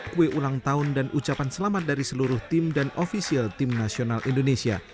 kue ulang tahun dan ucapan selamat dari seluruh tim dan ofisial tim nasional indonesia